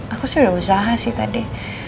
aku sudah usaha sih tadi